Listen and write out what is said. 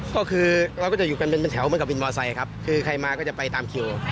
ก็คือเราก็จะอยู่กันเป็นแถวเหมือนกับวินมอไซค์ครับคือใครมาก็จะไปตามคิว